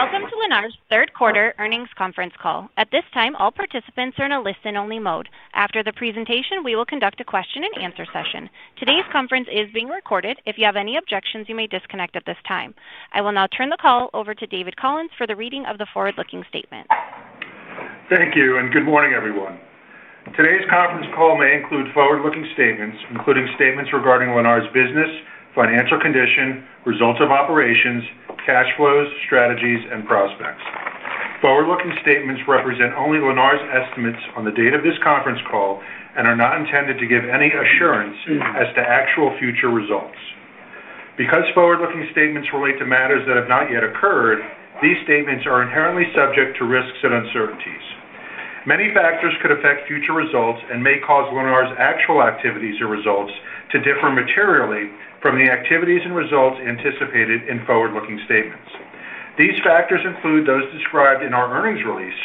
Welcome to Lennar's third quarter earnings conference call. At this time, all participants are in a listen-only mode. After the presentation, we will conduct a question and answer session. Today's conference is being recorded. If you have any objections, you may disconnect at this time. I will now turn the call over to David Collins for the reading of the forward-looking statements. Thank you and good morning everyone. Today's conference call may include forward-looking statements, including statements regarding Lennar's business, financial condition, results of operations, cash flows, strategies, and prospects. Forward-looking statements represent only Lennar's estimates on the date of this conference call and are not intended to give any assurance as to actual future results. Because forward-looking statements relate to matters that have not yet occurred, these statements are inherently subject to risks and uncertainties. Many factors could affect future results and may cause Lennar's actual activities or results to differ materially from the activities and results anticipated in forward-looking statements. These factors include those described in our earnings release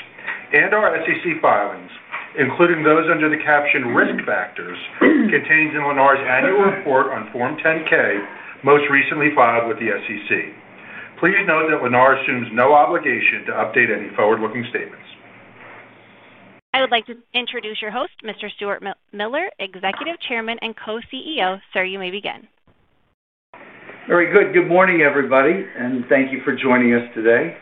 and our SEC filings, including those under the caption Risk Factors contained in Lennar's annual report on Form 10-K most recently filed with the SEC. Please note that Lennar assumes no obligation to update any forward-looking statements. I would like to introduce your host, Mr. Stuart Miller, Executive Chairman and Co-CEO. Sir, you may begin. Very good. Good morning everybody and thank you for joining us today.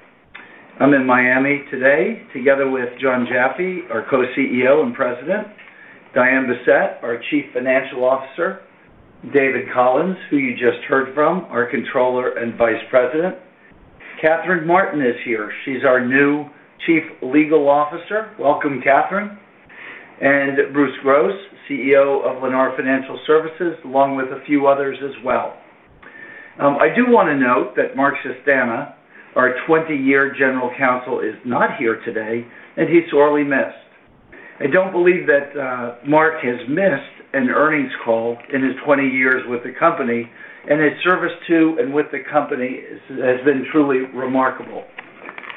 I'm in Miami today together with Jon Jaffe, our Co-CEO and President, Diane Bessette, our Chief Financial Officer, David Collins, who you just heard from, our Controller and Vice President. Katherine Martin is here. She's our new Chief Legal Officer. Welcome Katherine. And Bruce Gross, CEO of Lennar Financial Services, along with a few others as well. I do want to note that Mark Cistana, our 20-year General Counsel, is not here today and he is sorely missed. I don't believe that Mark has missed an earnings call in his 20 years with the company, and his service to and with the company has been truly remarkable.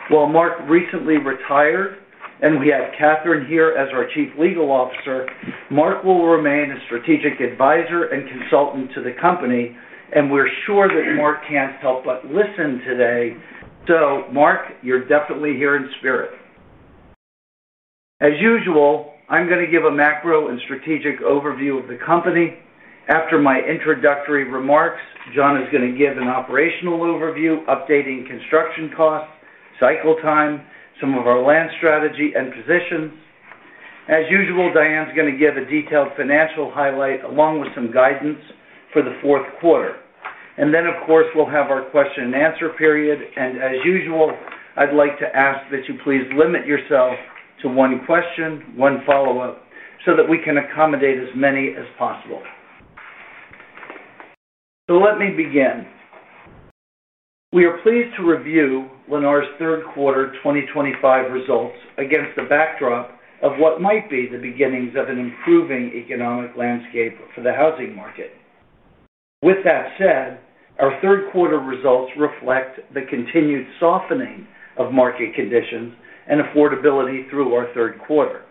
While Mark recently retired and we have Katherine here as our Chief Legal Officer, Mark will remain a strategic advisor and consultant to the company. We're sure that Mark can't help but listen today. Mark, you're definitely here in spirit as usual. I'm going to give a macro and strategic overview of the company. After my introductory remarks, Jon is going to give an operational overview, updating construction costs, cycle times, some of our land strategy and positions. As usual, Diane's going to give a detailed financial highlight along with some guidance for the fourth quarter. Of course, we'll have our question and answer period, and as usual, I'd like to ask that you please limit yourself to one question, one follow-up so that we can accommodate as many as possible. Let me begin. We are pleased to review Lennar's third quarter 2025 results against the backdrop of what might be the beginnings of an improving economic landscape for the housing market. With that said, our third quarter results reflect the continued softening of market conditions and affordability through our third quarter.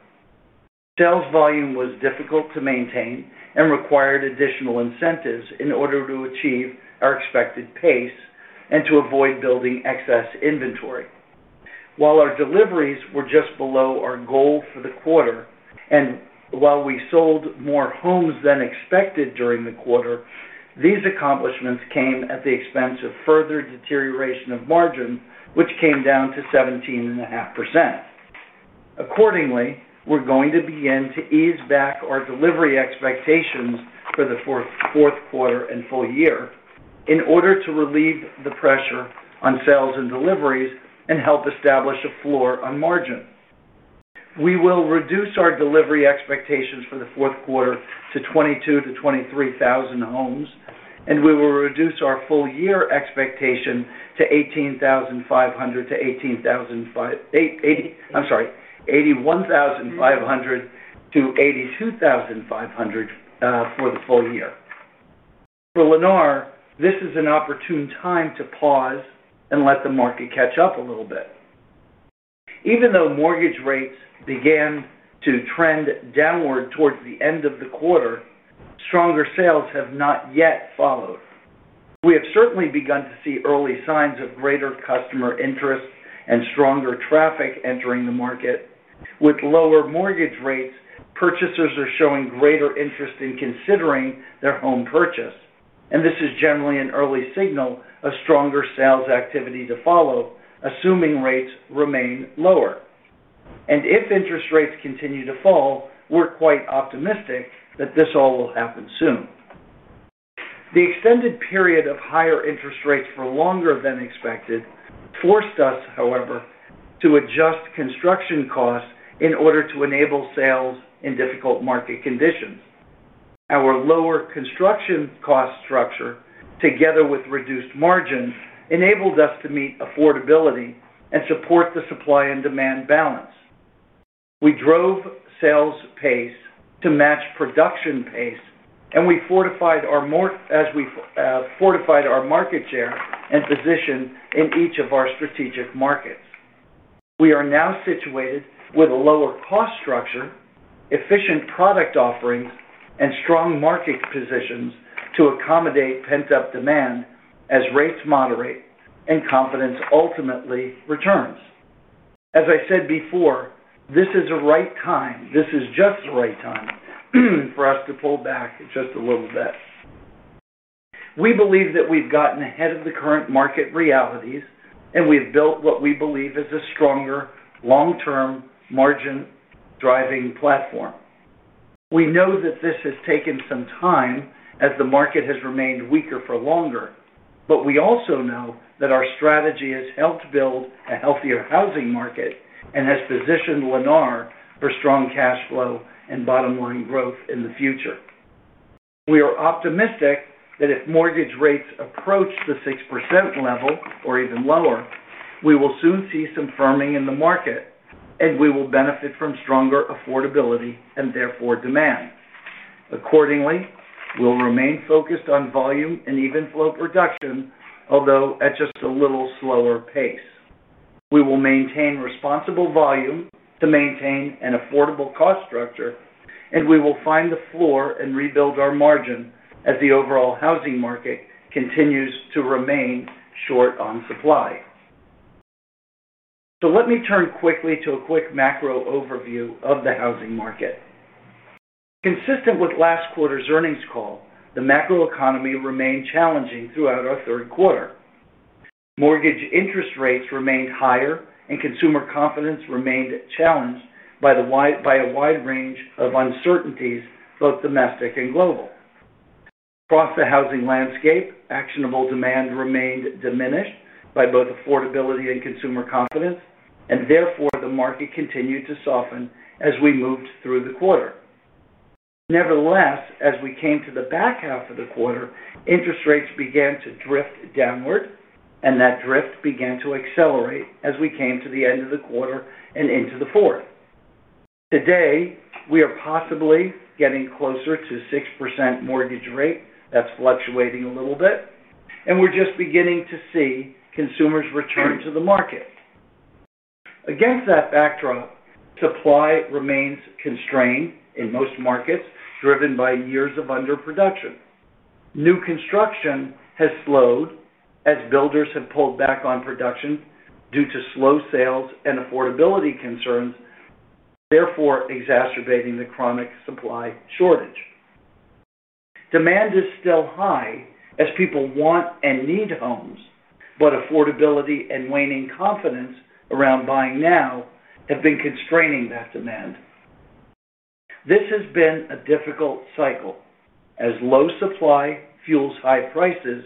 Sales volume was difficult to maintain and required additional incentives in order to achieve our expected pace and to avoid building excess inventory. While our deliveries were just below our goal for the quarter, and while we sold more homes than expected during the quarter, these accomplishments came at the expense of further deterioration of margin, which came down to 17.5%. Accordingly, we're going to begin to ease back our delivery expectations for the fourth quarter and full year in order to relieve the pressure on sales and deliveries and help establish a floor on margin. We will reduce our delivery expectations for the fourth quarter to 22,000 to 23,000 homes, and we will reduce our full year expectation to 81,500 to 82,500 for the full year. For Lennar, this is an opportune time to pause and let the market catch up a little bit. Even though mortgage rates began to trend downward towards the end of the quarter, stronger sales have not yet followed. We have certainly begun to see early signs of greater customer interest and stronger traffic entering the market. With lower mortgage rates, purchasers are showing greater interest in considering their home purchase, and this is generally an early signal of stronger sales activity to follow. Assuming rates remain lower, and if interest rates continue to fall, we're quite optimistic that this all will happen soon. The extended period of higher interest rates for longer than expected forced us, however, to adjust construction costs in order to enable sales in difficult market conditions. Our lower construction cost structure, together with reduced margin, enabled us to meet affordability and support the supply and demand balance. We drove sales pace to match production pace, and we fortified our market share and position in each of our strategic markets. We are now situated with a lower cost structure, efficient product offerings, and strong market positions to accommodate pent up demand as rates moderate and confidence ultimately returns. As I said before, this is the right time. This is just the right time for us to pull back just a little bit. We believe that we've gotten ahead of the current market realities, and we've built what we believe is a stronger long term margin driving platform. We know that this has taken some time as the market has remained weaker for longer. We also know that our strategy has helped build a healthier housing market and has positioned Lennar for strong cash flow and bottom line growth in the future. We are optimistic that if mortgage rates approach the 6% level or even lower, we will soon see some firming in the market, and we will benefit from stronger affordability and therefore demand. Accordingly, we'll remain focused on volume and even float reduction, although at just a little slower pace. We will maintain responsible volume to maintain an affordable cost structure, and we will find the floor and rebuild our margin as the overall housing market continues to remain short on supply. Let me turn quickly to a quick macro overview of the housing market. Consistent with last quarter's earnings call, the macro economy remained challenging throughout our third quarter. Mortgage interest rates remained higher and consumer confidence remained challenged by a wide range of uncertainties, both domestic and global. Across the housing landscape, actionable demand remained diminished by both affordability and consumer confidence, and therefore the market continued to soften as we moved through the quarter. Nevertheless, as we came to the back half of the quarter, interest rates began to drift downward and that drift began to accelerate as we came to the end of the quarter and into the fourth quarter. Today we are possibly getting closer to a 6% mortgage rate that's fluctuating a little bit, and we're just beginning to see consumers return to the market. Against that backdrop, supply remains constrained in most markets, driven by years of underproduction. New construction has slowed as builders have pulled back on production due to slow sales and affordability concerns, therefore exacerbating the chronic supply shortage. Demand is still high as people want and need homes, but affordability and waning confidence around buying now have been constraining that demand. This has been a difficult cycle as low supply fuels high prices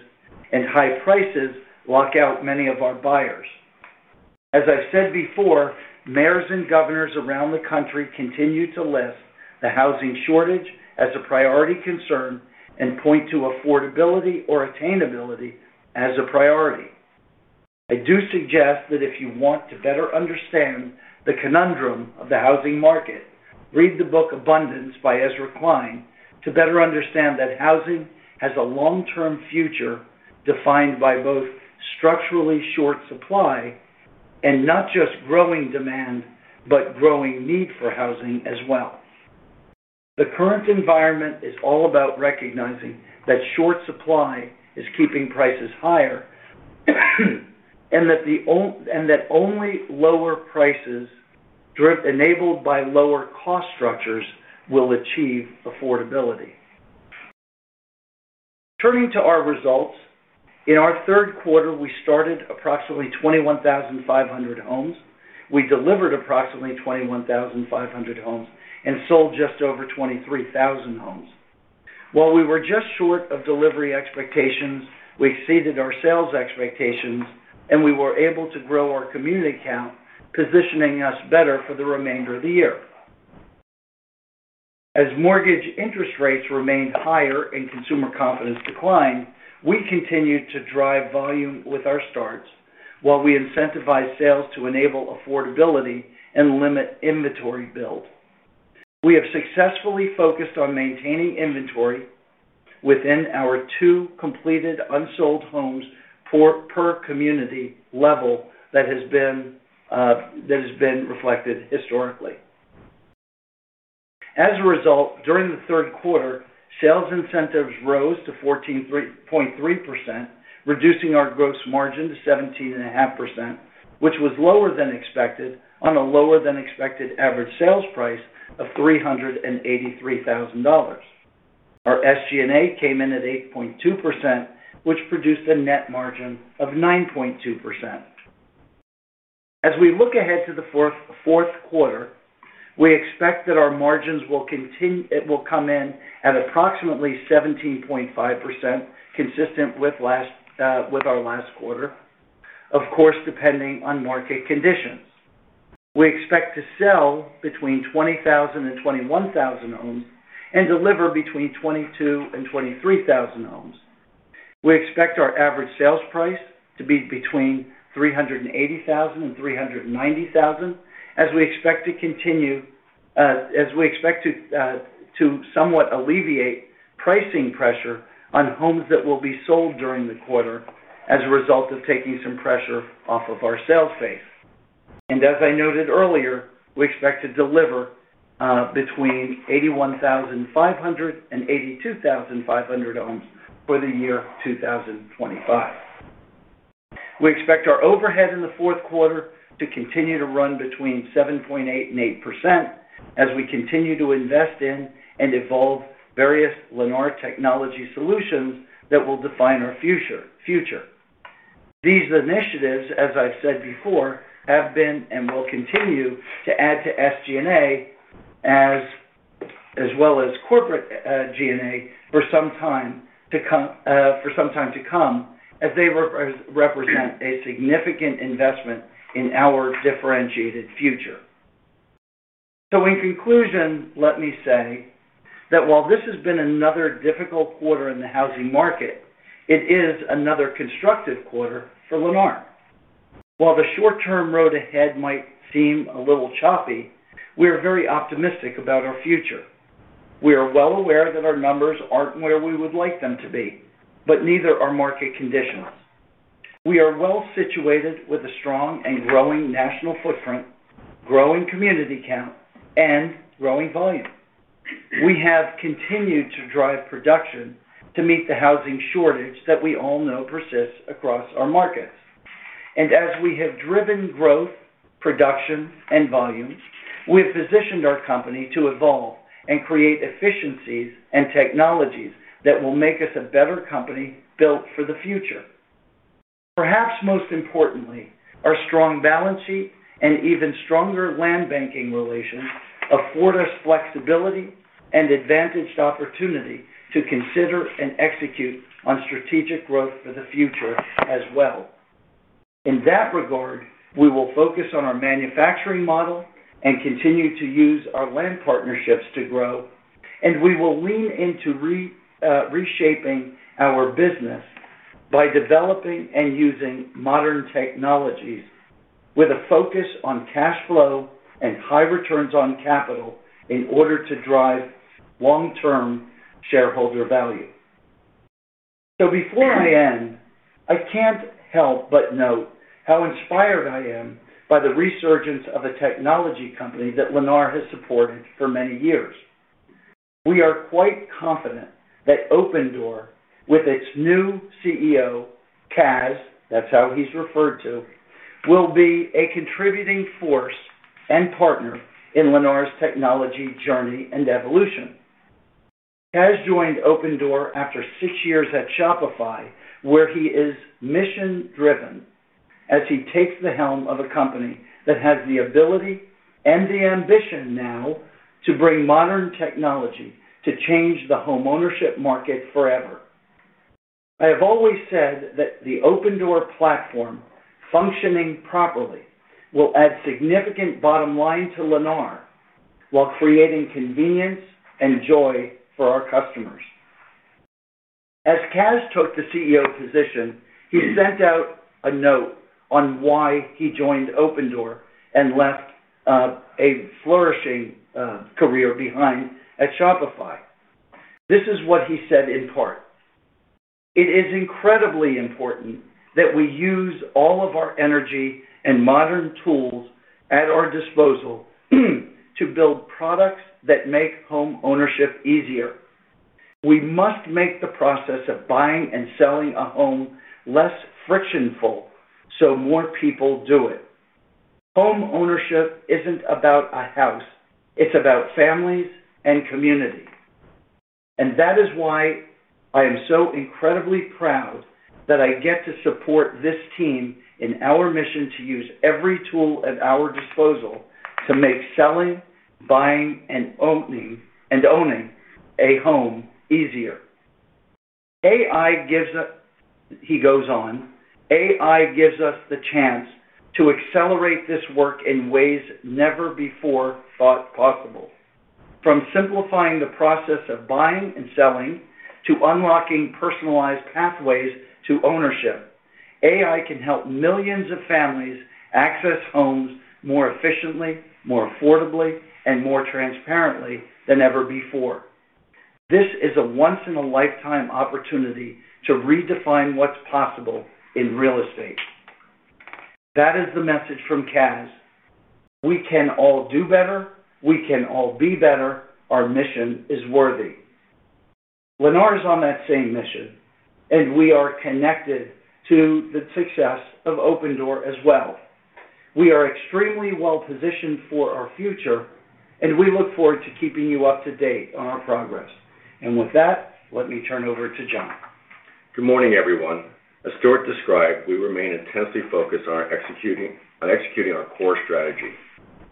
and high prices lock out many of our buyers. As I've said before, mayors and governors around the country continue to list the housing shortage as a priority concern and point to affordability or attainability as a priority. I do suggest that if you want to better understand the conundrum of the housing market, read the book Abundance by Ezra Klein to better understand that housing has a long-term future defined by both structurally short supply and not just growing demand, but growing need for housing as well. The current environment is all about recognizing that short supply is keeping prices higher and that only lower prices enabled by lower cost structures will achieve affordability. Turning to our results in our third quarter, we started approximately 21,500 homes. We delivered approximately 21,500 homes and sold just over 23,000 homes. While we were just short of delivery expectations, we exceeded our sales expectations and we were able to grow our community count, positioning us better for the remainder of the year. As mortgage interest rates remained higher and consumer confidence declined, we continued to drive volume with our starts. While we incentivize sales to enable affordability and limit inventory build, we have successfully focused on maintaining inventory within our two completed unsold homes per community level. That has been reflected historically. As a result, during the third quarter, sales incentives rose to 14.3%, reducing our gross margin to 17.5%, which was lower than expected. On a lower than expected average sales price of $383,000, our SGA came in at 8.2%, which produced a net margin of 9.2%. As we look ahead to the fourth quarter, we expect that our margins will continue. It will come in at approximately 17.5%, consistent with our last quarter. Of course, depending on market condition, we expect to sell between 20,000 and 21,000 homes and deliver between 22,000 and 23,000 homes. We expect our average sales price to be between $380,000 and $390,000. As we expect to continue, as we expect to somewhat alleviate pricing pressure on homes that will be sold during the quarter. As a result of taking some pressure off of our sales phase and as I noted earlier, we expect to deliver between 81,500 and 82,500 homes for the year 2025. We expect our overhead in the fourth quarter to continue to run between 7.8% and 8%. As we continue to invest in and evolve various Lennar technology solutions that will define our future. These initiatives, as I've said before, have been and will continue to add to SGA as well as corporate GNA for some time to come, as they represent a significant investment in our differentiated future. In conclusion, let me say that while this has been another difficult quarter in the housing market, it is another constructive quarter for Lennar. While the short term road ahead might seem a little choppy, we are very optimistic about our future. We are well aware that our numbers aren't where we would like them to be, but neither are market conditions. We are well situated with a strong and growing national footprint, growing community count and growing volume. We have continued to drive production to meet the housing shortage that we all know persists across our markets and as we have driven growth, production and volumes, we have positioned our company to evolve and create efficiencies and technologies that will make us a better company built for the future. Perhaps most importantly, our strong balance sheet and even stronger land banking relations afford us flexibility and advantaged opportunity to consider and execute on strategic growth for the future as well. In that regard, we will focus on our manufacturing model and continue to use our land partnerships to grow, and we will lean into reshaping our business by developing and using modern technologies with a focus on cash flow and high returns on capital in order to drive long-term shareholder value. Before I end, I can't help but note how inspired I am by the resurgence of a technology company that Lennar has supported for many years. We are quite confident that Opendoor, with its new CEO, Kaz—that's how he's referred to—will be a contributing force and partner in Lennar's technology journey and evolution. Kaz joined Opendoor after six years at Shopify, where he is mission-driven as he takes the helm of a company that has the ability and the ambition now to bring modern technology to change the homeownership market forever. I have always said that the Opendoor platform, functioning properly, will add significant bottom line to Lennar while creating convenience and joy for our customers. As Kaz took the CEO position, he sent out a note on why he joined Opendoor and left a flourishing career behind at Shopify. This is what he said in part: It is incredibly important that we use all of our energy and modern tools at our disposal to build products that make homeownership easier. We must make the process of buying and selling a home less frictionful so more people do it. Homeownership isn't about a house, it's about families and community, and that is why I am so incredibly proud that I get to support this team in our mission to use every tool at our disposal to make selling, buying, and owning a home easier. AI gives us the chance to accelerate this work in ways never before thought possible. From simplifying the process of buying and selling to unlocking personalized pathways to ownership, AI can help millions of families access homes more efficiently, more affordably, and more transparently than ever before. This is a once-in-a-lifetime opportunity to redefine what's possible in real estate. That is the message from Kaz. We can all do better. We can all be better. Our mission is worthy. Lennar is on that same mission and we are connected to the success of Opendoor as well. We are extremely well positioned for our future, and we look forward to keeping you up to date on our progress. With that, let me turn over. Good morning everyone. As Stuart described, we remain intensely focused on executing our core strategy,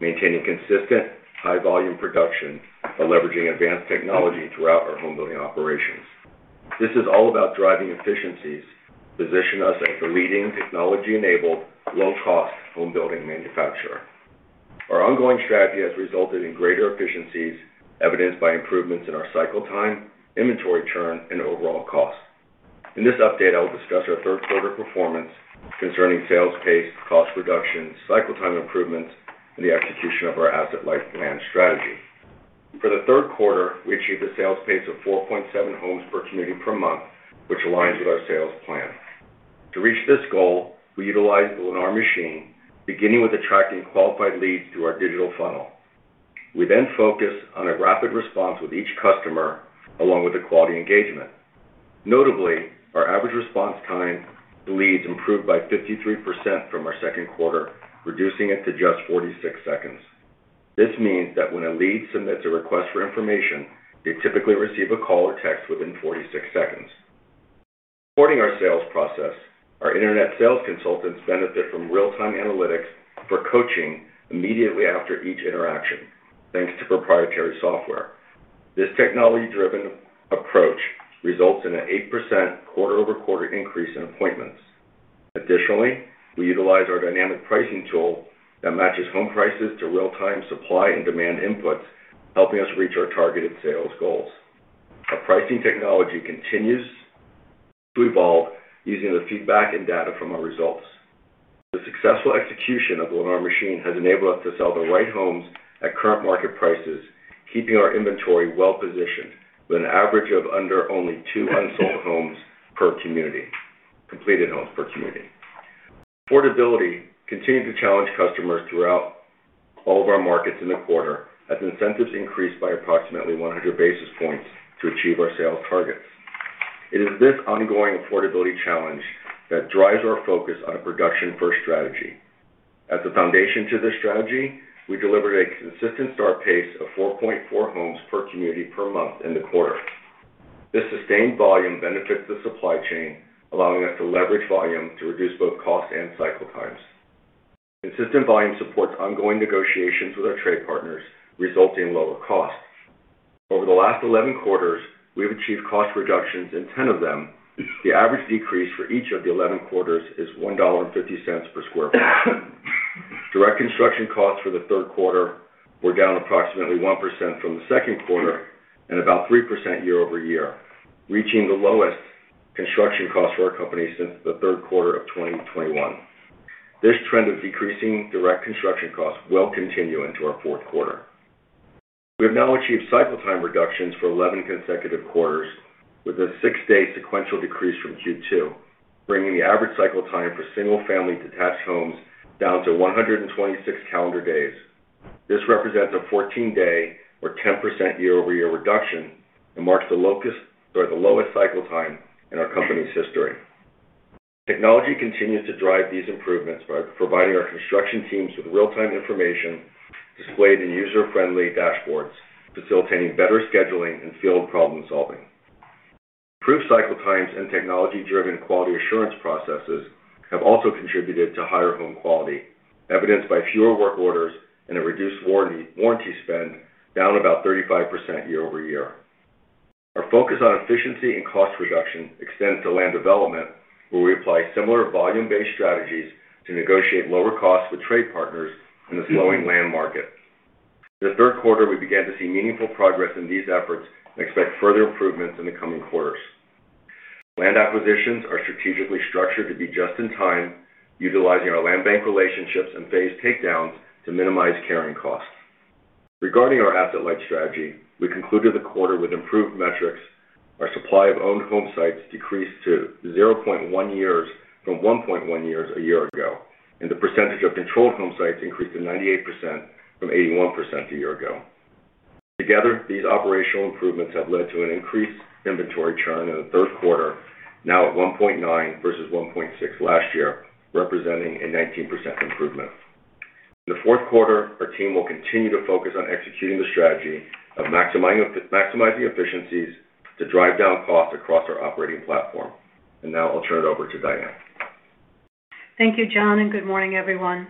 maintaining consistent high volume production by leveraging advanced technology throughout our homebuilding operations. This is all about driving efficiencies, positioning us as a leading technology-enabled, low-cost homebuilding manufacturer. Our ongoing strategy has resulted in greater efficiencies, evidenced by improvements in our cycle times, inventory turn, and overall cost. In this update, I will discuss our third quarter performance concerning sales pace, cost reduction, cycle time improvements, and the execution of our asset-light land strategy. For the third quarter, we achieved a sales pace of 4.7 homes per community per month, which aligns with our sales plan. To reach this goal, we utilize the Lennar machine, beginning with attracting qualified leads to our digital funnel. We then focus on a rapid response with each customer, along with quality engagement. Notably, our average lead response times improved by 53% from our second quarter, reducing it to just 46 seconds. This means that when a lead submits a request for information, they typically receive a call or text within 46 seconds, supporting our sales process. Our Internet sales consultants benefit from real-time analytics for coaching immediately after each interaction. Thanks to proprietary software, this technology-driven approach results in an 8% quarter-over-quarter increase in appointments. Additionally, we utilize our dynamic pricing tool that matches home prices to real-time supply and demand inputs, helping us reach our targeted sales goals. Our pricing technology continues to evolve using the feedback and data from our results. The successful execution of the Lennar machine has enabled us to sell the right homes at current market prices, keeping our inventory well positioned with an average of under only two unsold homes per community. Completed homes per community affordability continue to challenge customers throughout all of our markets in the quarter, as sales incentives increased by approximately 100 basis points to achieve our sales targets. It is this ongoing affordability challenge that drives our focus on a production-first strategy. As a foundation to this strategy, we delivered a consistent start pace of 4.4 homes per community per month in the quarter. This sustained volume benefits the supply chain, allowing us to leverage volume to reduce both cost and cycle times. Consistent volume supports ongoing negotiations with our trade partners, resulting in lower cost. Over the last 11 quarters, we've achieved cost reductions in 10 of them. The average decrease for each of the 11 quarters is $1.50 per square foot. Direct construction costs for the third quarter were down approximately 1% from the second quarter and about 3% year over year, reaching the lowest construction cost for our company since the third quarter of 2021. This trend of decreasing direct construction costs will continue into our fourth quarter. We have now achieved cycle time reductions for 11 consecutive quarters, with a six day sequential decrease from Q2, bringing the average cycle time for single family detached homes down to 126 calendar days. This represents a 14 day or 10% year over year reduction and marks the lowest cycle time in our company's history. Technology continues to drive these improvements by providing our construction teams with real time information displayed in user friendly dashboards, facilitating better scheduling and field problem solving. Improved cycle times and technology driven quality assurance processes have also contributed to higher home quality, evidenced by fewer work orders and a reduced warranty spend, down about 35% year over year. Our focus on efficiency and cost reduction extends to land development, where we apply similar volume based strategies to negotiate lower costs with trade partners in the slowing land market. In the third quarter, we began to see meaningful progress in these efforts and expect further improvements in the coming quarters. Land acquisitions are strategically structured to be just in time, utilizing our land bank relationships and phase takedowns to minimize carrying costs. Regarding our asset-light land strategy, we concluded the quarter with improved metrics. Our supply of owned home sites decreased to 0.1 years from 1.1 years a year ago, and the percentage of controlled home sites increased to 98% from 81% a year ago. Together, these operational improvements have led to an increased inventory turn in the third quarter, now at 1.9 versus 1.6 last year, representing a 19% improvement in the fourth quarter. Our team will continue to focus on executing the strategy of maximizing efficiencies to drive down costs across our operating platform. Now I'll turn it over to Diane. Thank you, John, and good morning, everyone.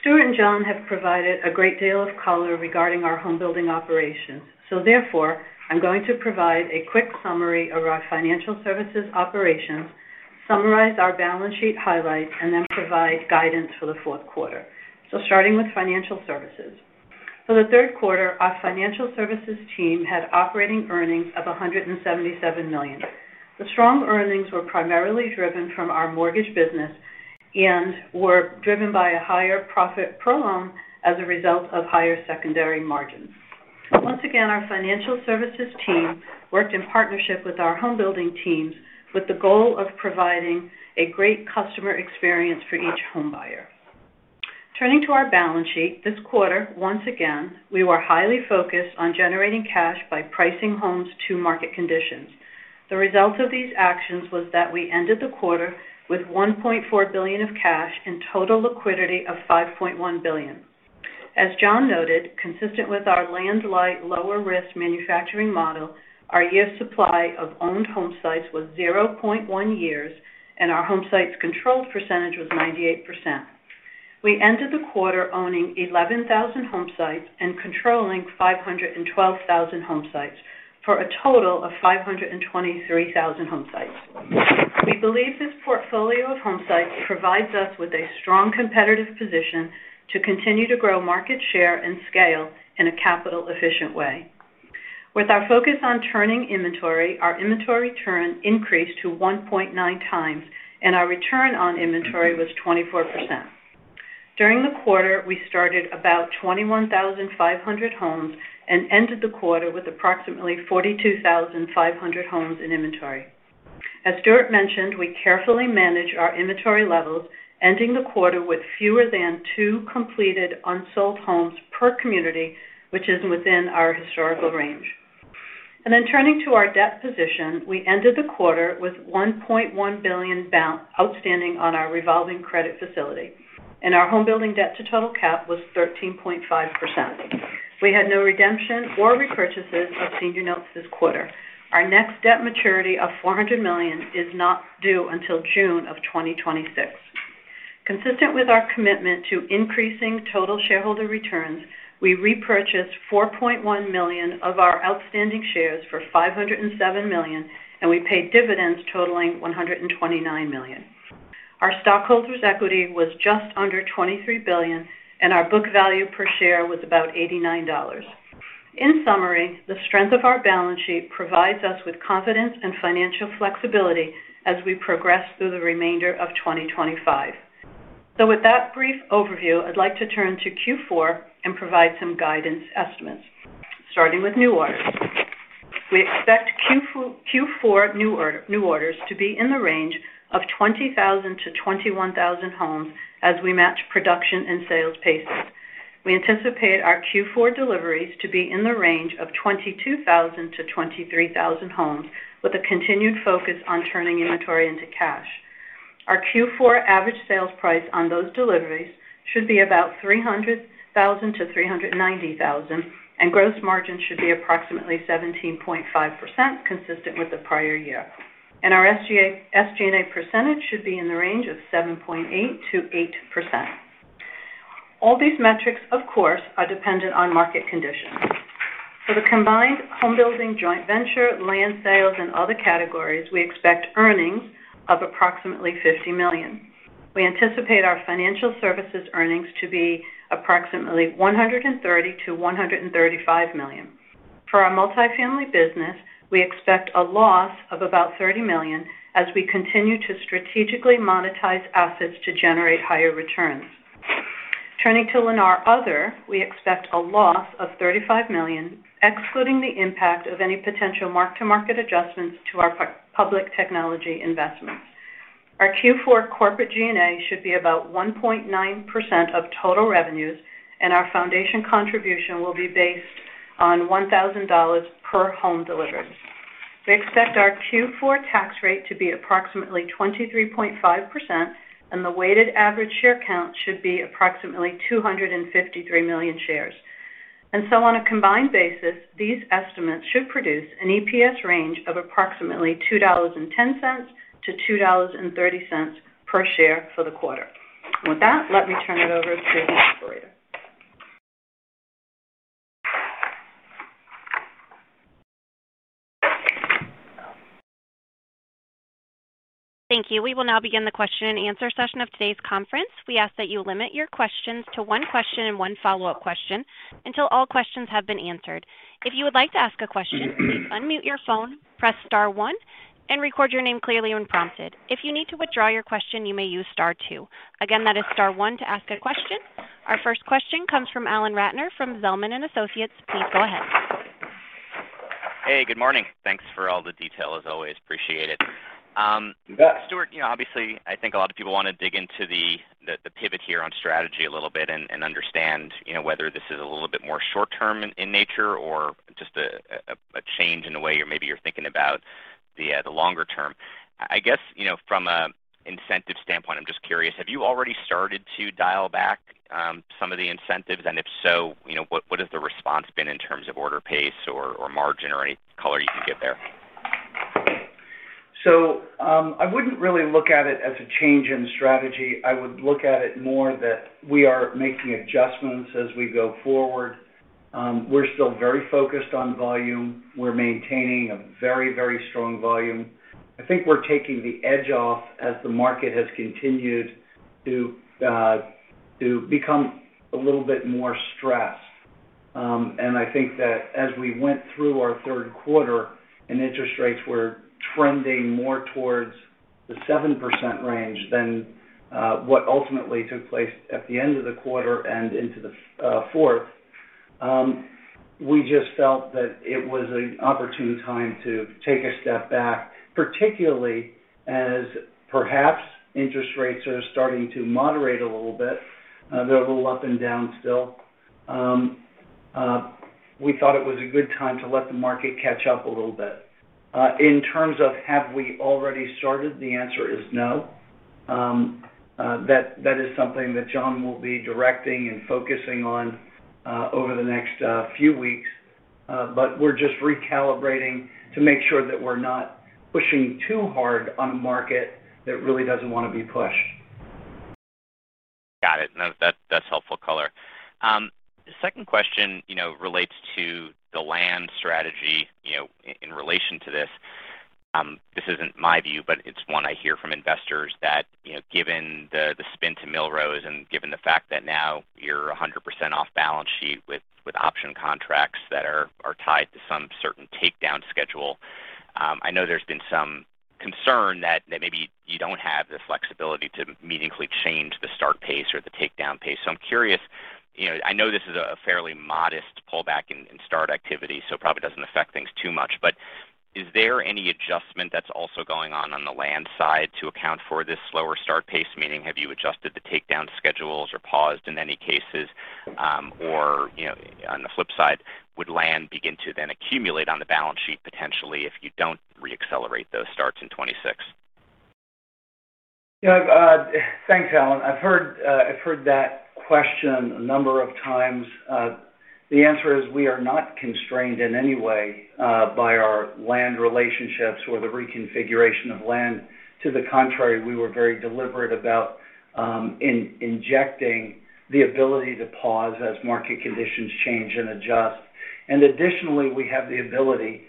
Stuart and John have provided a great deal of color regarding our homebuilding operations, so therefore I'm going to provide a quick summary of our financial services operations, summarize our balance sheet highlights, and then provide guidance for the fourth quarter. Starting with financial services, for the third quarter our financial services team had operating earnings of $177 million. The strong earnings were primarily driven from our mortgage business and were driven by a higher profit per loan as a result of higher secondary margin. Once again, our financial services team worked in partnership with our homebuilding teams with the goal of providing a great customer experience for each homebuyer. Turning to our balance sheet this quarter, once again we were highly focused on generating cash by pricing homes to market conditions. The result of these actions was that we ended the quarter with $1.4 billion of cash and total liquidity of $5.1 billion. As John noted, consistent with our asset-light land strategy, lower risk manufacturing model, our year supply of owned home sites was 0.1 years and our home sites controlled percentage was 98%. We ended the quarter owning 11,000 home sites and controlling 512,000 home sites for a total of 523,000 home sites. We believe this portfolio of home sites provides us with a strong competitive position to continue to grow market share and scale in a capital efficient way. With our focus on turning inventory, our inventory turn increased to 1.9 times and our return on inventory was 24%. During the quarter, we started about 21,500 homes and ended the quarter with approximately 42,500 homes in inventory. As Stuart mentioned, we carefully manage our inventory levels, ending the quarter with fewer than two completed unsold homes per community, which is within our historical range. Turning to our debt position, we ended the quarter with $1.1 billion outstanding on our revolving credit facility and our homebuilding debt to total cap was 13.5%. We had no redemption or repurchases of senior notes this quarter. Our next debt maturity of $400 million is not due until June of 2026. Consistent with our commitment to increasing total shareholder returns, we repurchased 4.1 million of our outstanding shares for $507 million and we paid dividends totaling $129 million. Our stockholders' equity was just under $23 billion and our book value per share was about $89. In summary, the strength of our balance sheet provides us with confidence and financial flexibility as we progress through the remainder of 2025. With that brief overview, I'd like to turn to Q4 and provide some guidance estimates starting with new orders. We expect Q4 new orders to be in the range of 20,000 to 21,000 homes. As we match production and sales paces, we anticipate our Q4 deliveries to be in the range of 22,000 to 23,000 homes. With a continued focus on turning inventory into cash, our Q4 average sales price on those deliveries should be about $300,000 to $390,000 and gross margin should be approximately 17.5% consistent with the prior year. Our SGA percentage should be in the range of 7.8% to 8%. All these metrics of course are dependent on market conditions. For the combined homebuilding, joint venture, land sales and other categories, we expect earnings of approximately $50 million. We anticipate our financial services earnings to be approximately $130 million to $135 million. For our multifamily business, we expect a loss of about $30 million as we continue to strategically monetize assets to generate higher returns. Turning to Lennar Other, we expect a loss of $35 million excluding the impact of any potential mark to market adjustments to our public technology investments. Our Q4 corporate G&A should be about 1.9% of total revenues and our foundation contribution will be based on $1,000 per home delivered. We expect our Q4 tax rate to be approximately 23.5% and the weighted average share count should be approximately 253 million shares. On a combined basis, these estimates should produce an EPS range of approximately $2.10 to $2.30 per share for the quarter. With that, let me turn it over to Susan, Florida. Thank you. We will now begin the question and answer session of today's conference. We ask that you limit your questions to one question and one follow up question until all questions have been answered. If you would like to ask a question, please unmute your phone, press Star 1 and record your name clearly when prompted. If you need to withdraw your question, you may use Star 2. Again, that is Star 1 to ask a question. Our first question comes from Alan Ratner from Zelman & Associates. Please go ahead. Hey, good morning. Thanks for all the detail, as always. Appreciate it, Stuart. Obviously, I think a lot of people want to dig into the pivot here on strategy a little bit and understand whether this is a little bit more short term in nature or just a change in the way you're, maybe you're thinking about the longer term. I guess, you know, from an incentive standpoint, I'm just curious, have you already started to dial back some of the incentives? If so, what has the response been in terms of order, pace or margin or any color you could give there. I wouldn't really look at it as a change in strategy. I would look at it more that we are making adjustments as we go forward. We're still very focused on volume. We're maintaining a very, very strong volume. I think we're taking the edge off as the market has continued to become a little bit more stressed. I think that as we went through our third quarter and interest rates were trending more towards the 7% range than what ultimately took place at the end of the quarter and into the fourth, we just felt that it was an opportune time to take a step back, particularly as perhaps interest rates are starting to moderate a little bit. They're a little up and down still. We thought it was a good time to let the market catch up a little bit. In terms of have we already started, the answer is no. That is something that John will be directing and focusing on over the next few weeks, but we're just recalibrating to make sure that we're not pushing too hard on a market that really doesn't want to be pushed. Got it. That's helpful. The second question relates to the land strategy in relation to this. This isn't my view, but it's one I hear from investors that given the spin to Milrose and given the fact that now you're 100% off balance sheet with option contracts that are tied to some certain takedown schedule, I know there's been some concern that maybe you don't have the flexibility to meaningfully change the start pace or the takedown pace. I'm curious. I know this is a fairly modest pullback in start activity, so it probably doesn't affect things too much, but is there any adjustment that's also going on on the land side to account for this slower start pace? Meaning have you adjusted the takedown schedules or paused in any cases? On the flip side, would land begin to then accumulate on the balance sheet potentially, if you don't reaccelerate those starts in 2026? Yeah. Thanks, Alan. I've heard that question a number of times. The answer is we are not constrained in any way by our land relationships or the reconfiguration of land. To the contrary, we were very deliberate about injecting the ability to pause as market conditions change and adjust. Additionally, we have the ability,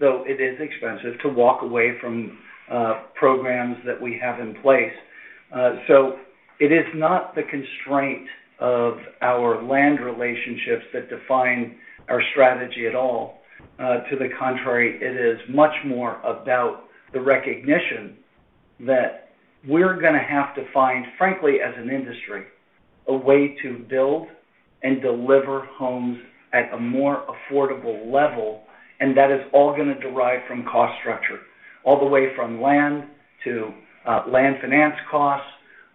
though it is expensive, to walk away from programs that we have in place. It is not the constraint of our land relationships that define our strategy at all. To the contrary, it is much more about the recognition that we're going to have to find, frankly, as an industry, a way to build and deliver homes at a more affordable level. That is all going to derive some cost structure all the way from land to land finance costs,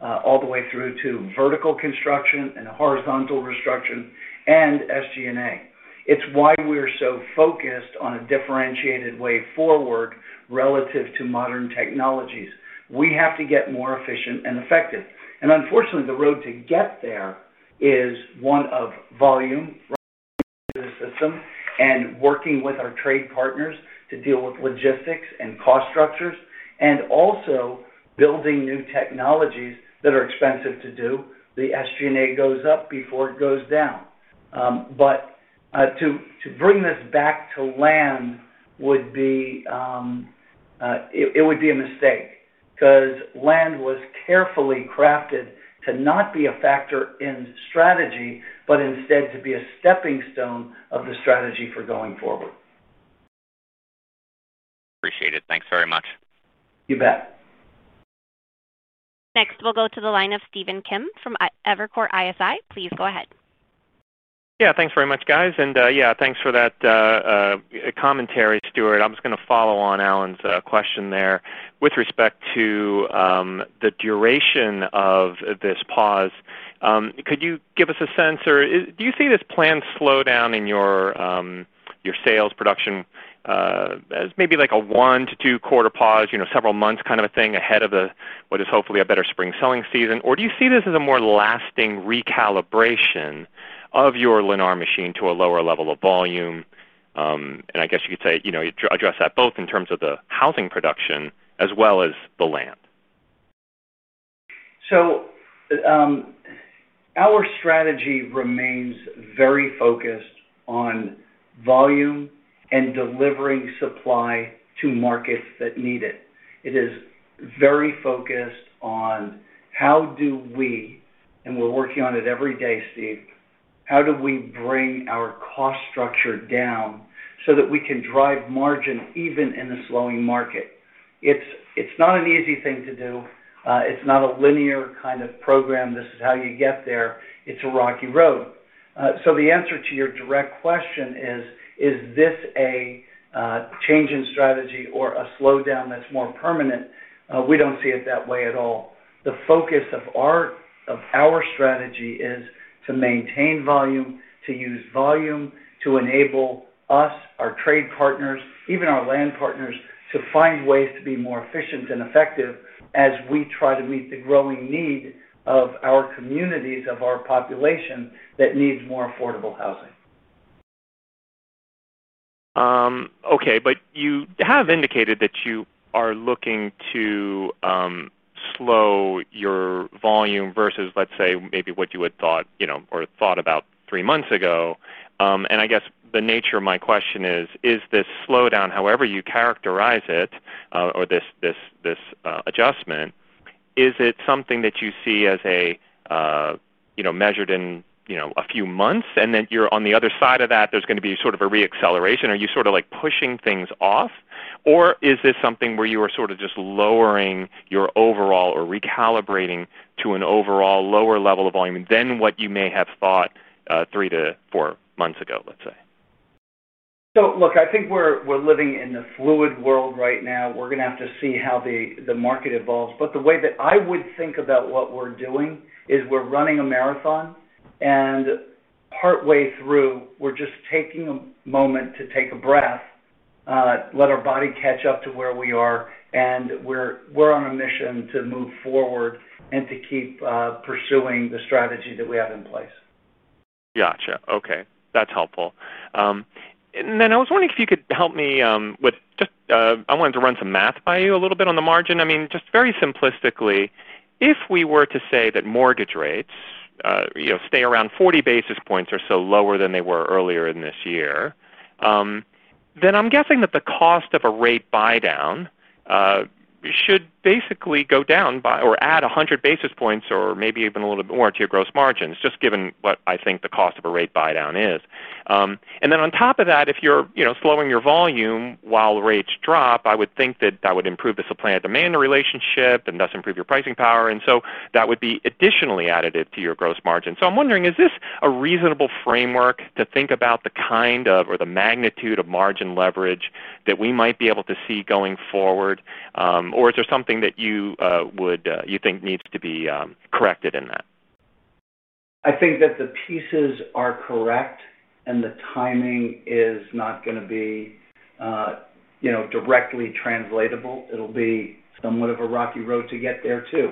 all the way through to vertical construction and horizontal restructuring and SG&A. It's why we're so focused on a differentiated way forward relative to modern technologies. We have to get more efficient and effective. Unfortunately, the road to get there is one of volume system and working with our trade partners to deal with logistics and cost structures and also building new technologies that are expensive to do. The SG&A goes up before it goes down. To bring this back to land would be, it would be a mistake because land was carefully crafted to not be a factor in strategy, but instead to be a stepping stone of the strategy for going forward. Appreciate it. Thanks very much. You bet. Next we'll go to the line of Stephen Kim from Evercore ISI. Please go ahead. Yeah, thanks very much guys, and yeah, thanks for that commentary. Stuart, I was going to follow on Alan's question there. With respect to the duration of this pause, could you give us a sense, or do you see this planned slowdown in your sales production as maybe like a one to two quarter pause, you know, several months kind of a thing ahead of what is hopefully a better spring selling season? Or do you see this as a more lasting recalibration of your Lennar machine to a lower level of volume? I guess you could say, you know, address that both in terms of the housing production as well as the land. Our strategy remains very focused on volume and delivering supply to markets that need it. It is very focused on how do we, and we're working on it every day, Steve, how do we bring our cost structure down so that we can drive margin even in a slowing market? It's not an easy thing to do. It's not a linear kind of program. This is how you get there. It's a rocky road. The answer to your direct question is, is this a change in strategy or a slowdown that's more permanent? We don't see it that way at all. The focus of our strategy is to maintain volume, to use volume to enable us, our trade partners, even our land partners, to find ways to be more efficient and effective as we try to meet the growing need of our communities, of our population that needs more affordable housing. Okay, you have indicated that you are looking to slow your volume versus let's say maybe what you had thought or thought about three months ago. I guess the nature of my question is, is this slowdown, however you characterize it, or this adjustment, is it something that you see as measured in a few months and then you're on the other side of that, there's going to be sort of a reacceleration? Are you sort of like pushing things off, or is this something where you are just lowering your overall or recalibrating to an overall lower level of volume than what you may have thought three to four months ago? Look, I think we're living in a fluid world right now. We have to see how the market evolves. The way that I would think about what we're doing is we're running a marathon. Partway through, we're just taking a moment to take a breath, let our body catch up to where we are, and we're on a mission to move forward and to keep pursuing the strategy that we have in place. Gotcha. Okay, that's helpful. I was wondering if you could help me with just, I wanted to run some math by you a little bit on the margin. I mean, just very simplistically, if we were to say that mortgage rates stay around 40 basis points or so lower than they were earlier in this year, then I'm guessing that the cost of a rate buydown should basically go down or add 100 basis points or maybe even a little bit more to your gross margins, just given what I think the cost of a rate buydown is. On top of that, if you're slowing your volume while rates drop, I would think that that would improve the supply and demand relationship and thus improve your pricing power. That would be additionally to your gross margin. I'm wondering, is this a reasonable framework to think about the kind of or the magnitude of margin leverage that we might be able to see going forward, or is there something that you think needs to be corrected in that? I think that the pieces are correct, and the timing is not going to be directly translatable. It'll be somewhat of a rocky road to get there too,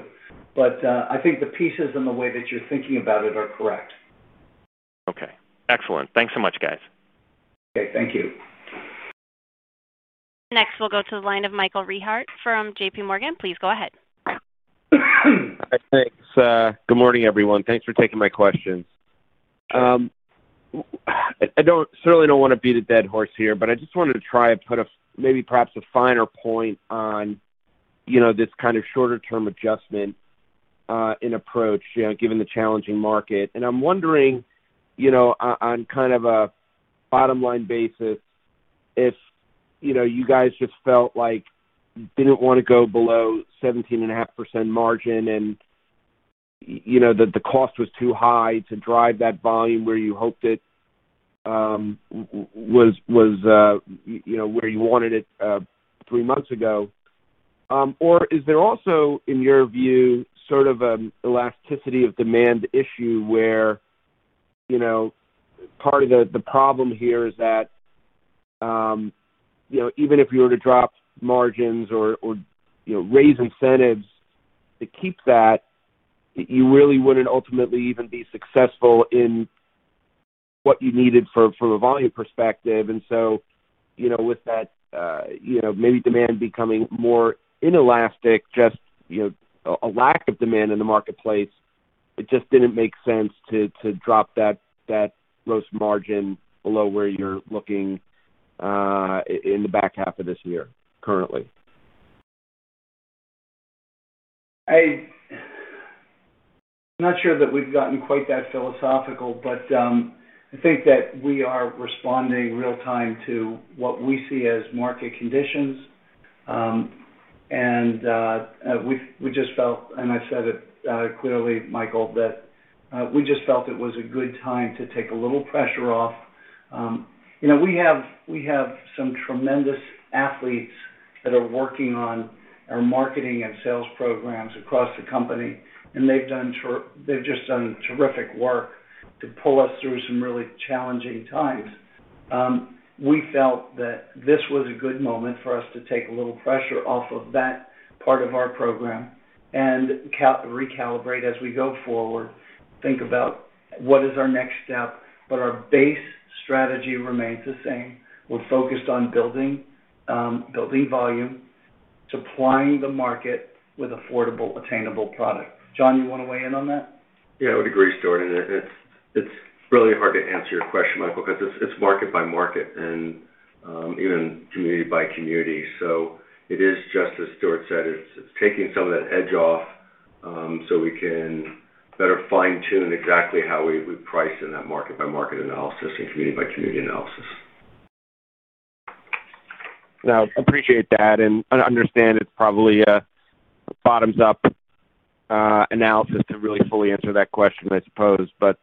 but I think the pieces in the way that you're thinking about it are correct. Okay, excellent. Thanks so much, guys. Okay, thank you. Next we'll go to the line of Mike Rehaut from JP Morgan. Please go ahead. Good morning everyone. Thanks for taking my question. I don't want to beat a dead horse here, but I just wanted to try to put maybe perhaps a finer point on this kind of shorter term adjustment in approach given the challenging market. I'm wondering on kind of a bottom line basis if you guys just felt like you didn't want to go below 17.5% margin and that the cost was too high to drive that volume where you hoped it was, where you wanted it three months ago, or is there also, in your view, sort of an elasticity of demand. Issue where. Part of the problem here is that even if you were to drop margins or raise incentives to keep that, you really wouldn't ultimately even be successful in what you needed for, from a volume perspective. With that, maybe demand becoming more inelastic, just a lack of demand in the marketplace, it just didn't make sense to drop that gross margin below where you're looking in the back half. Of this year currently. I'm not sure that we've gotten quite that philosophical, but I think that we are responding real time to what we see as market conditions. We just felt, and I've said it clearly, Michael, that we just felt it was a good time to take a little pressure off. We have some tremendous athletes that are working on our marketing and sales programs across the company, and they've just done terrific work to pull us through some really challenging times. We felt that this was a good moment for us to take a little pressure off of that part of our program and recalibrate as we go forward, think about what is our next step. Our base strategy remains the same. We're focused on building volume, supplying the market with affordable, attainable product. John, you want to weigh in on that? I would agree, Stuart. It's really hard to answer your question, Michael, because it's market by market and even community by community. It is just as Stuart said, it's taking some of that edge off so we can better fine tune exactly how we price in that market by market analysis and community by community analysis. Now, appreciate that and understand it's probably a bottoms up analysis to really fully answer that question, I suppose. But.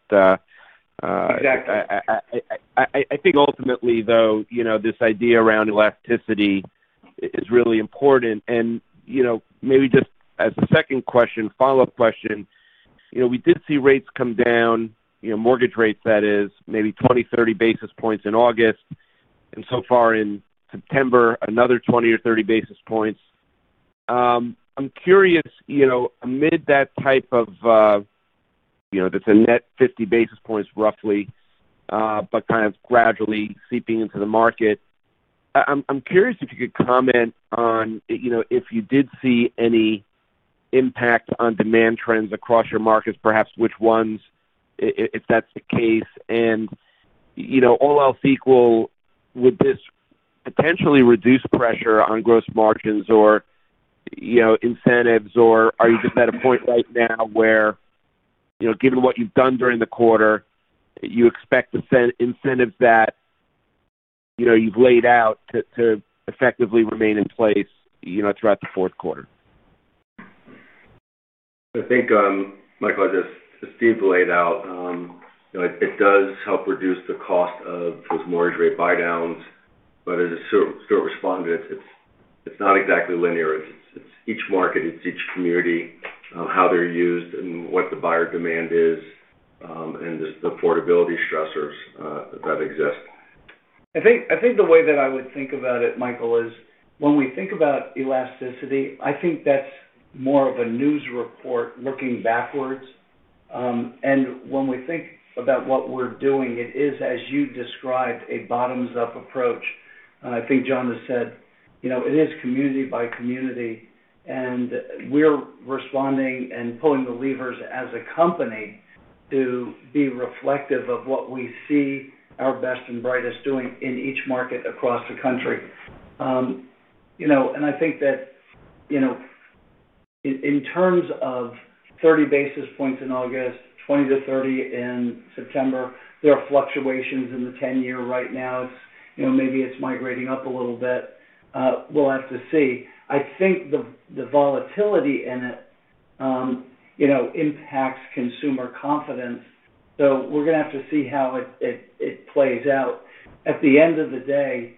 I think ultimately though, this idea around elasticity is really important. Maybe just as a second question, follow up question, we did see rates come down, mortgage rates, that is, maybe 20, 30 basis points in August and so far in September, another 20 or 30 basis points. I'm curious, amid that type of, that's a net 50 basis points roughly, but kind of gradually seeping into the market. I'm curious if you could comment on if you did see any impact on demand trends across your markets, perhaps which ones. If that's the case, and all else equal, would this potentially reduce pressure on gross margins or incentives? Or are you just at a point right now where, given what you've done during the quarter, you expect the incentive that you've laid out to effectively remain in place throughout the fourth quarter? I think, Michael, just as Steve laid out, it does help reduce the cost of those mortgage rate buy downs, but as a sort of respondent, it's not exactly linear. It's each market, it's each community, how they're used, and what the buyer demand is and the affordability stressors that exist. I think the way that I would think about it, Michael, is when we think about elasticity, I think that's more of a news report looking backwards. When we think about what we're doing, it is as you described, a bottoms up approach. I think Jon has said, you know, it is community by community and we're responding and pulling the levers as a company to be reflective of what we see our best and brightest doing in each market across the country. In terms of 30 basis points in August, 20 to 30 in September, there are fluctuations in the 10-year right now, maybe it's migrating up a little bit. Have to see, I think the volatility impacts consumer confidence. We're going to have to see how it plays out. At the end of the day,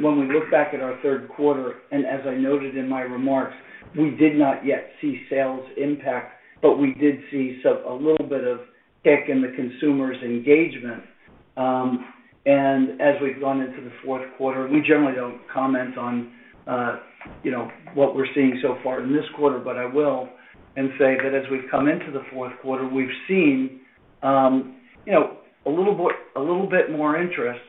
when we look back at our third quarter and as I noted in my remarks, we did not yet see sales impact but we did see a little bit of kick in the consumers' engagement with. As we go into the fourth quarter, we generally don't comment on what we're seeing so far in this quarter, but I will and say that as we've come into the fourth quarter we've seen a little bit, a little bit more interest,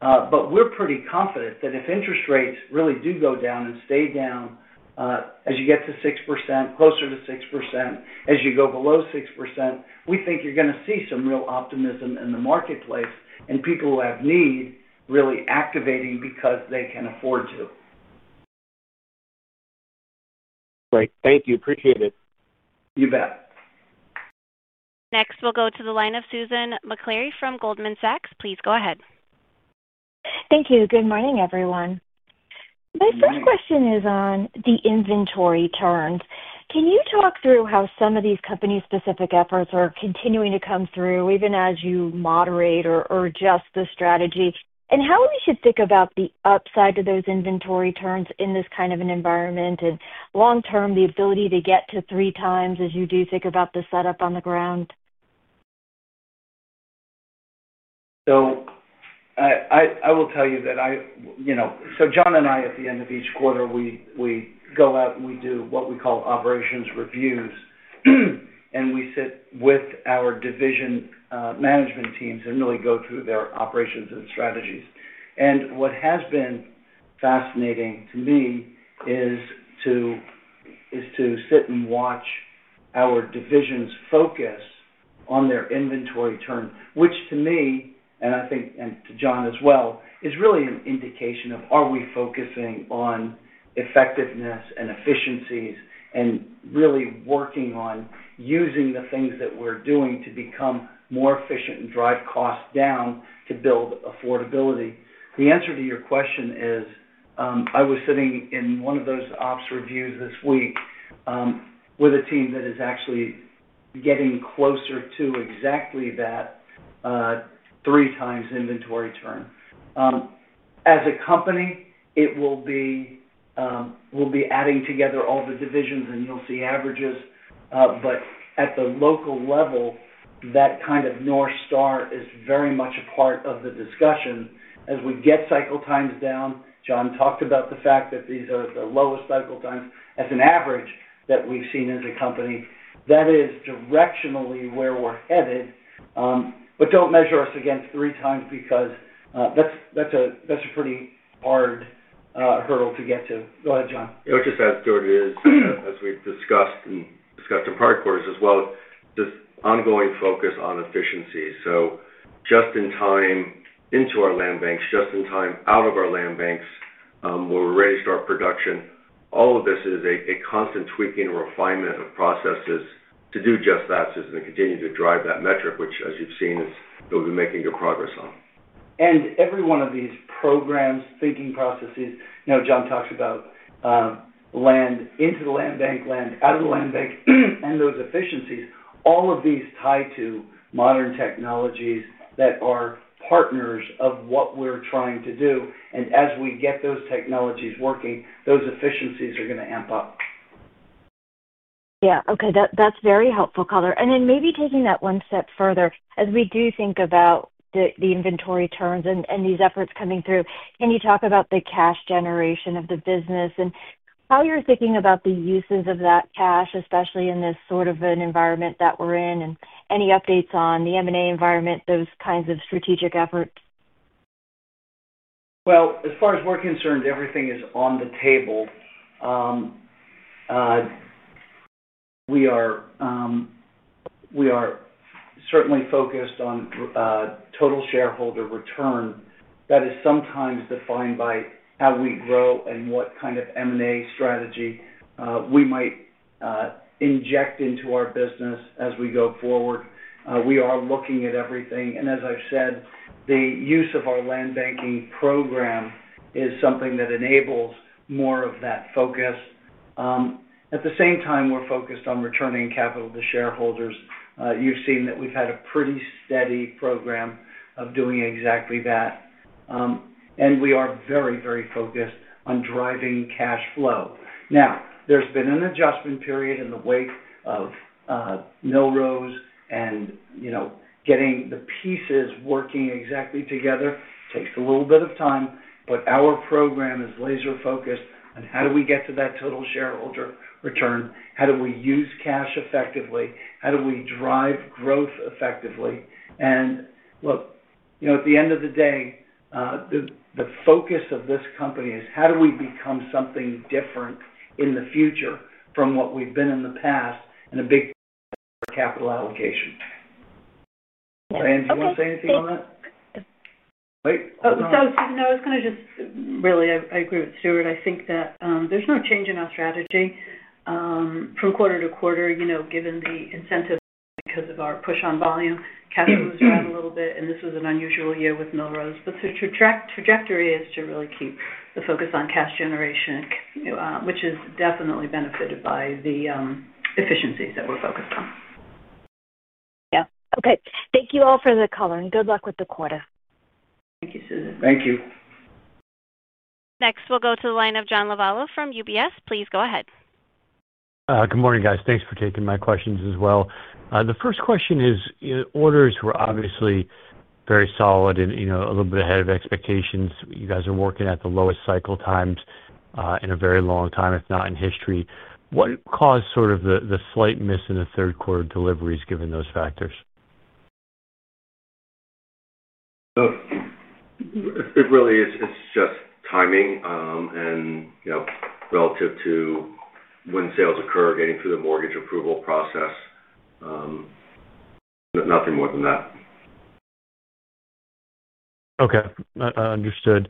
but we're pretty confident that if interest rates really do go down and stay down as you get to 6%, closer to 6%, as you go below 6%, we think you're going to see some real optimism in the marketplace and people who have need really activating because they can afford to. Great, thank you. Appreciate it, Yvette. Next we'll go to the line of Susan Maklari from Goldman Sachs. Please go ahead. Thank you. Good morning everyone. My first question is on the inventory turns. Can you talk through how some of these company specific efforts are continuing to come through even as you moderate or adjust the strategy, and how we should think about the upside to those inventory turns in this kind of an environment and long term the ability to get to three times as you do think about the setup on the ground. I will tell you that John and I, at the end of each quarter, go out and do what we call operations reviews. We sit with our division management teams and really go through their operations and strategies. What has been fascinating to me is to sit and watch our divisions focus on their inventory turn, which to me and I think to John as well is really an indication of whether we are focusing on effectiveness and efficiencies and really working on using the things that we're doing to become more efficient and drive costs down to build affordability. The answer to your question is I was sitting in one of those operations reviews this week with a team that is actually getting closer to exactly that three times inventory turn. As a company, it will be adding together all the divisions and you'll see averages. At the local level, that kind of North Star is very much a part of the discussion as we get cycle times down. John talked about the fact that these are the lowest cycle times as an average that we've seen as a company. That is directionally where we're headed. Do not measure us against three times because that's a pretty hard hurdle to get to. Go ahead, John. Just as Jordan is, as we discussed in prior quarters as well, this ongoing focus on efficiency. Just in time into our land banks, just in time out of our land banks where we're ready to start production. All of this is a constant tweaking or refinement of processes to do just that, continue to drive that metric, which as you've seen, we're making good progress on. Every one of these programs, thinking processes. Jon talks about land into the land bank, land out of the land bank and those efficiencies. All of these tie to modern technologies that are partners of what we're trying to do. As we get those technologies working, those efficiencies are going to amp up. Yeah, okay, that's very helpful. Color. Maybe taking that one step further as we do think about the inventory turns and these efforts coming through, can you talk about the cash generation of the business and how you're thinking about the uses of that cash, especially in this sort of an environment that we're in? Any updates on the M&A environment, those kinds of strategic efforts? As far as we're concerned, everything is on the table. We are certainly focused on total shareholder return. That is sometimes defined by how we grow and what kind of M&A strategy we might inject into our business as we go forward. We are looking at everything. As I've said, the use of our land banking program is something that enables more of that focus. At the same time, we're focused on returning capital to shareholders. You've seen that we've had a pretty steady program of doing exactly that. We are very, very focused on driving cash flow. There's been an adjustment period in the wake of no rows, and getting the pieces working exactly together takes a little bit of time. Our program is laser focused on how do we get to that total shareholder return, how do we use cash effectively, how do we drive growth effectively? At the end of the day, the focus of this company is how do we become something different in the future from what we've been in the past? A big capital allocation. Do you want to say anything on that? Wait. No, I was going to just really agree with Stuart. I think that there's no change in our strategy from quarter to quarter. You know, given the incentive because of our push on volume, cash flows around a little bit. This was an unusual year with Melrose. The trajectory is to really keep the focus on cash generation, which is definitely benefited by the efficiencies that we're focused on. Yeah. Okay, thank you all for the color and good luck with the quarter. Thank you, Susan. Thank you. Next we'll go to the line of John Lovallo from UBS. Please go ahead. Good morning, guys. Thanks for taking my questions as well. The first question is orders were obviously very solid and, you know, a little. Bit ahead of expectations. You guys are working at the lowest cycle times in a very long time, if not in history. What caused the slight miss in the third quarter deliveries, given those factors? It really is. It's just timing and, you know, relative to when sales occur, getting through the mortgage approval process, but nothing more than that. Okay, understood.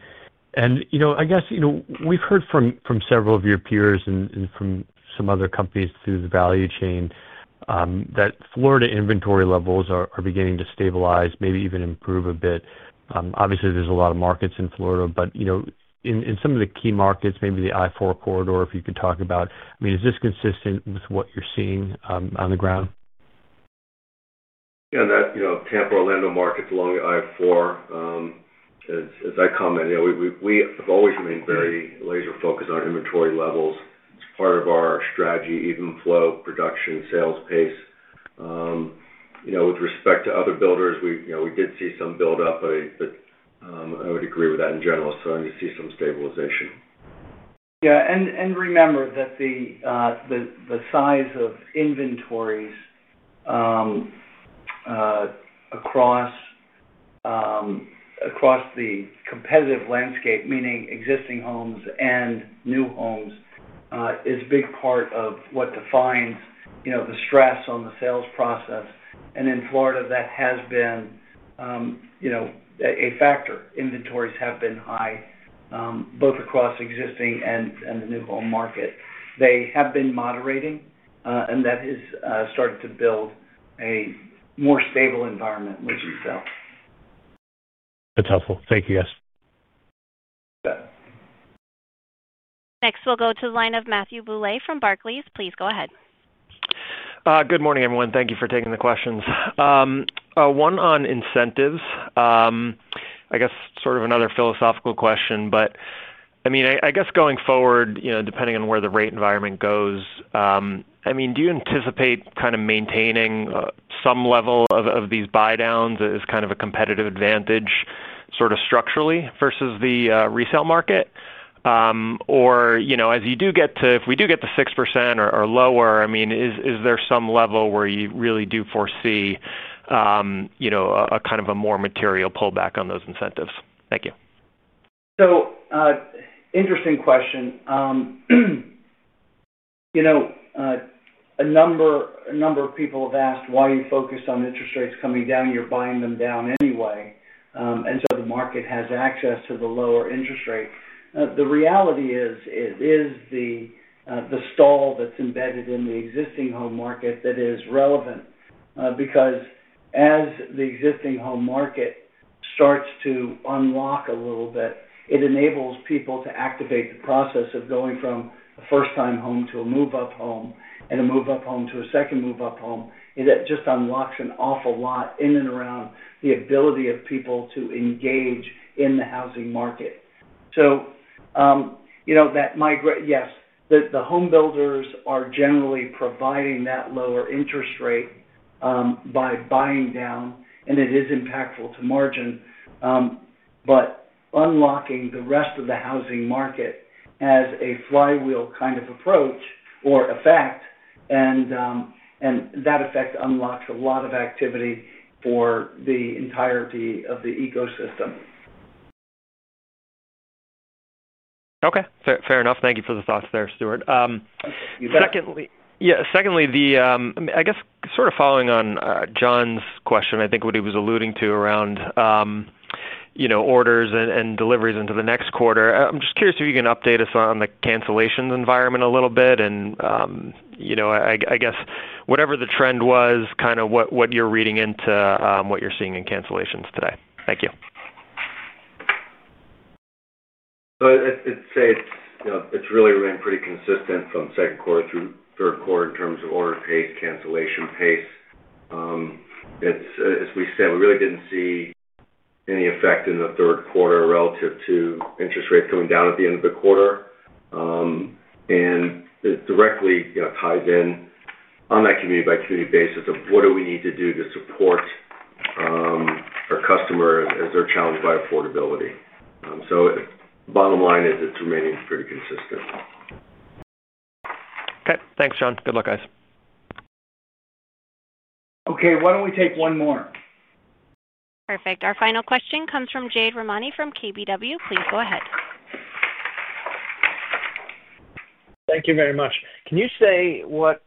I guess, you know. We've heard from several of your. Peers and from some other companies too. The value chain that Florida inventory levels. Are beginning to stabilize, maybe even improve a bit. Obviously, there's a lot of markets in Florida, but in some. Of the key markets, maybe the I-4. Corridor, if you could talk about, I mean, is this consistent with what you're... Seeing on the ground? Yeah. You know, Tampa, Orlando, markets along the I-4, as I comment, we have always remained very laser focused on inventory levels as part of our strategy, even flow, production, sales pace. With respect to other builders, we did see some buildup, but I would agree with that in general. I just see some stabilization. Yeah, remember that the size of inventories. Across. Across the competitive landscape, meaning existing homes and new homes, is a big part of what defines the stress on the sales process. In Florida that has been a factor. Inventories have been high both across existing and the new home market. They have been moderating, and that has started to build a more stable environment, which you felt that's helpful. Thank you. Yes. Next, we'll go to the line of Matthew Boulay from Barclays. Please go ahead. Good morning everyone. Thank you for taking the questions. One on incentives, I guess sort of another philosophical question. I mean, I guess going forward, depending on where the rate environment goes, do you anticipate kind of maintaining some level of these buy downs as kind of a competitive advantage structurally versus the resale market, or as you do get to, if we do get to 6% or lower, is there some level where you really do foresee a more material pullback on those incentives? Thank you. Interesting question. A number of people have asked why you focus on interest rates coming down. You're buying them down anyway, and the market has access to the lower interest rate. The reality is it is the stall that's embedded in the existing home market that is relevant because as the existing home market starts to unlock a little bit, it enables people to activate the process of going from a first-time home to a move-up home and a move-up home to a second move-up home. It just unlocks an awful lot in and around the ability of people to engage in the housing market. You know that migrate. Yes, the home builders are generally providing that lower interest rate by buying down, and it is impactful to margin. Unlocking the rest of the housing market has a flywheel kind of approach or effect, and that effect unlocks a lot of activity for the entirety of the ecosystem. Okay, fair enough. Thank you for the thoughts there, Stuart. Secondly, I guess sort of following on John's question, I think what he was alluding to around orders and deliveries into the next quarter, I'm just curious if you can update us on the cancellations environment a little bit. I guess whatever the trend was, what you're reading into what you're seeing in cancellations today. Thank you. I'd say it's really remained pretty consistent from second quarter through third quarter in terms of order pace, cancellation pace. As we said, we really didn't see any effect in the third quarter relative to interest rates going down at the end of the quarter. It directly tied in on that community by community basis of what do we need to do to support for customers as they're challenged by affordability. Bottom line is it's remaining pretty consistent. Okay, thanks Jon. Good luck, guys. Okay, why don't we take one more? Perfect. Our final question comes from Jade Rahmani from KBW. Please go ahead. Thank you very much. Can you say what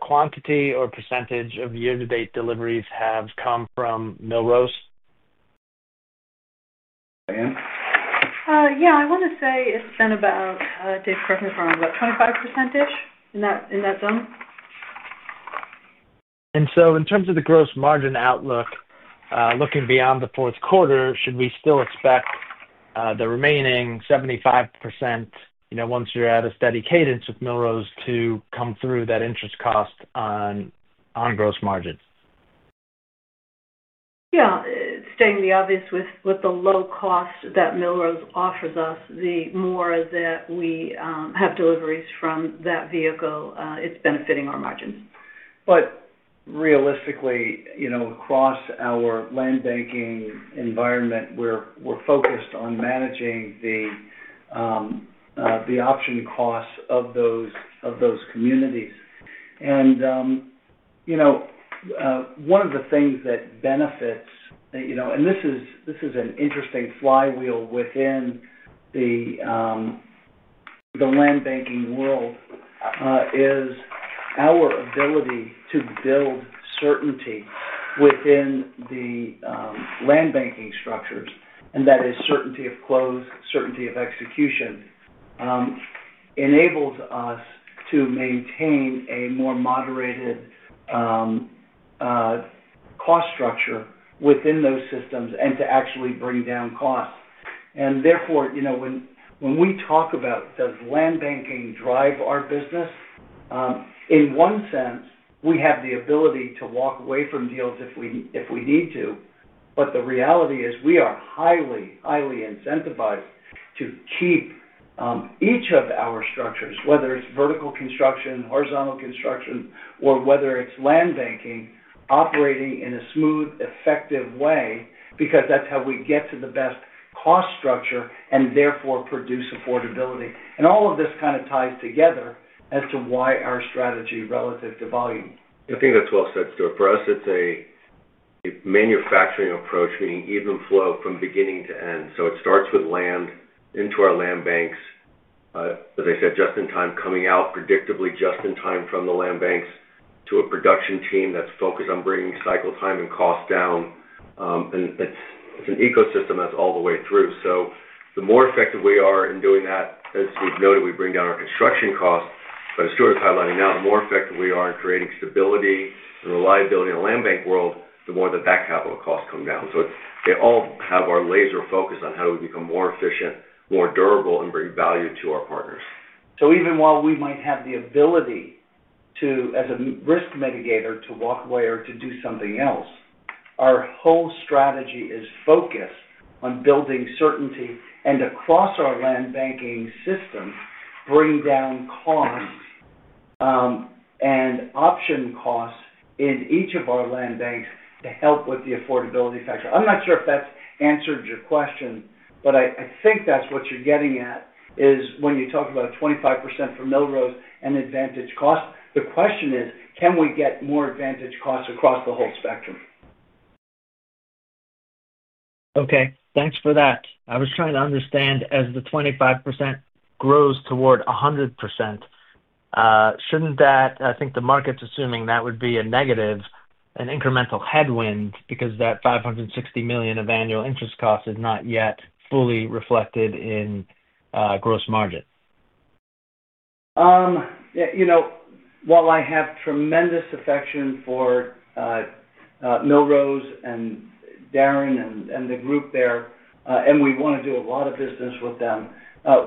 quantity or percentage of year to date deliveries have come from Milrose? I want to say it's been about 25% in that zone. In terms of the gross margin outlook, looking beyond the fourth quarter, should we still expect the remaining 75% once you're at a steady cadence with Melrose to come through that interest cost on gross margins? Yeah. Stating the obvious, with the low cost that Melrose offers us, the more that we have deliveries from that vehicle, it's benefiting our margins. Realistically, across our land banking environment, we're focused on managing. The. Option costs of those communities. One of the things that benefits, and this is an interesting flywheel within the land banking world, is our ability to build certainty within the land banking structures. That is certainty of close, certainty of execution, which enables us to maintain a more moderated cost structure within those systems and to actually bring down costs. Therefore, when we talk about does land banking drive our business, in one sense we have the ability to walk away from deals if we need to. The reality is we are highly, highly incentivized to keep each of our structures, whether it's vertical construction, horizontal construction, or whether it's land banking, operating in a smooth, effective way because that's how we get to the best cost structure and therefore produce affordability. All of this kind of ties together as to why our strategy relative. To volume, I think that's well said, Stuart. For us, it's a manufacturing approach, meaning even flow from beginning to end. It starts with land into our land banks. As I said, just in time coming out predictably just in time from the land banks to a production team that's focused on bringing cycle time and cost down. It's an ecosystem that's all the way through. The more effective we are in doing that, as you've noted, we bring down our construction costs. As Jordan's highlighting now, the more effective we are in creating stability and reliability in the land bank world, the more that capital cost come down. They all have our laser focus on how do we become more efficient, more durable and bring value to our partners. Even while we might have the ability to, as a risk mitigator, walk away or do something else, our whole strategy is focused on building certainty and, across our land banking system, bringing down costs and option costs in each of our land banks to help with the affordability tax rate. I'm not sure if that's answered your question, but I think that's what you're getting at. When you talk about 25% for no rows and advantage cost, the question is, can we get more advantage costs across the whole spectrum? Okay, thanks for that. I was trying to understand as the 25% grows toward 100%, shouldn't that—I think the market's assuming that would be a negative, an incremental headwind because that $560 million of annual interest costs is not yet fully reflected in gross margin. You know, while I have tremendous affection for no Rose and Darren and the group there and we want to do a lot of business with them,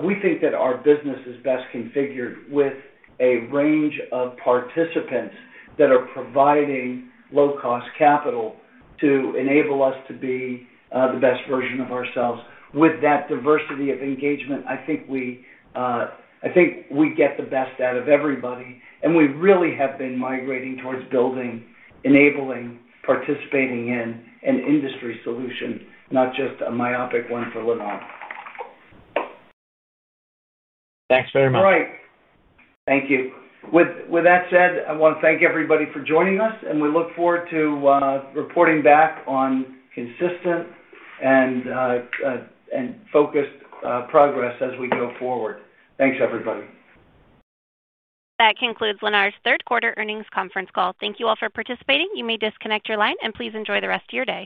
we think that our business is best configured with a range of participants that are providing low cost capital to enable us to be the best version of ourselves. With that diversity of engagement, I think we get the best out of everybody and we really have been migrating towards building, enabling, participating in an industry solution, not just a myopic one. For Lavon, thanks very much. All right, thank you. With that said, I want to thank everybody for joining us and we look forward to reporting back on consistent and focused progress as we go forward. Thanks everybody. That concludes Lennar's third quarter earnings conference call. Thank you all for participating. You may disconnect your line, and please enjoy the rest of your day.